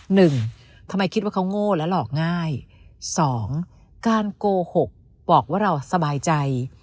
หนึ่งทำไมคิดว่าเขาโง่และหลอกง่ายสองการโกหกบอกว่าเราสบายใจ